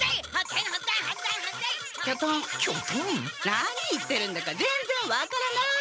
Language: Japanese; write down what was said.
何言ってるんだかぜんぜん分からない！